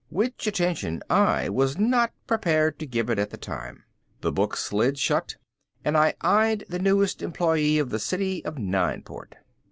Which attention I was not prepared to give at the time. The book slid shut and I eyed the newest employee of the city of Nineport.